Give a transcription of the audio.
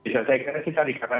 saya kira itu tadi karena